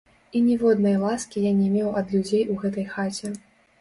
І ніводнай ласкі я не меў ад людзей у гэтай хаце.